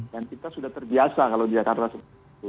dan kita sudah terbiasa kalau di jakarta seperti itu